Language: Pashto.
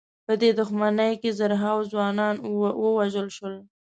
په دغه دښمنۍ کې زرهاوو ځوانان ووژل شول.